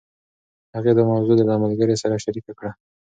هغې دا موضوع له ملګرې سره شريکه کړه.